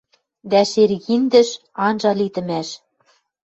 Дӓ шергиндӹш анжа литӹмӓш...